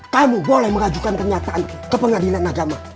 kamu boleh merajukan kenyataan ke pengadilan agama